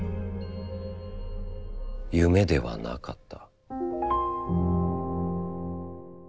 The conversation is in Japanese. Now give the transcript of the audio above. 夢ではなかった」。